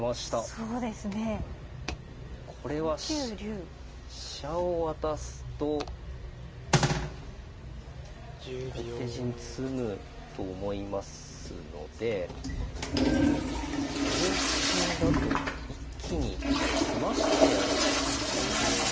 これは飛車を渡すと後手陣詰むと思いますので同金だと一気に詰ましてやろうということですね。